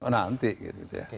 nanti gitu ya